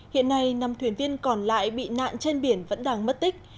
hiện nay năm thuyền viên còn lại bị nạn trên biển vẫn đang mất tích